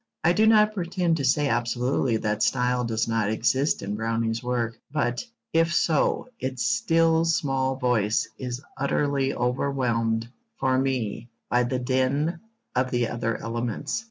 I do not pretend to say absolutely that style does not exist in Browning's work; but, if so, its 'still small voice' is utterly overwhelmed, for me, by the din of the other elements.